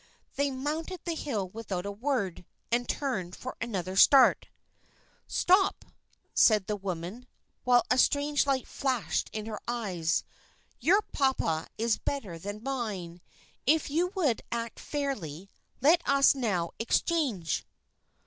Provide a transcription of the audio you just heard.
They mounted the hill without a word, and turned for another start. "Stop!" said the woman, while a strange light flashed in her eyes. "Your papa is better than mine. If you would act fairly, let us now exchange!"